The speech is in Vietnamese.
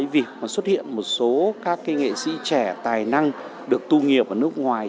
vì xuất hiện một số các nghệ sĩ trẻ tài năng được tu nghiệp ở nước ngoài